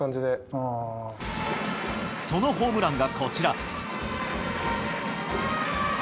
そのホームランがこちら。